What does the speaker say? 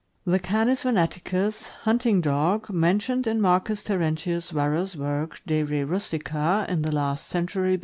The Canis venations (hunting dog) mentioned in Marcus Terentius Varro' s work, l ' De re Rustica,1' in the last century B.